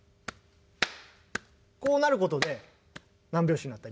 こうなることで何拍子になった？